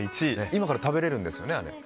今から食べれるんですよね。